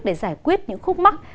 để giải quyết những khúc mắt